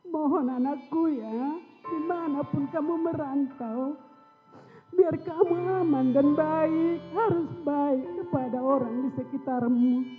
mohon anakku ya dimanapun kamu merantau biar kamu aman dan baik harus baik kepada orang di sekitarmu